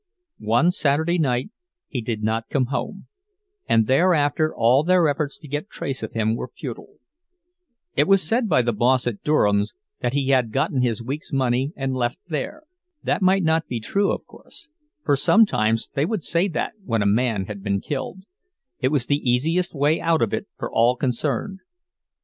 One Saturday night he did not come home, and thereafter all their efforts to get trace of him were futile. It was said by the boss at Durham's that he had gotten his week's money and left there. That might not be true, of course, for sometimes they would say that when a man had been killed; it was the easiest way out of it for all concerned.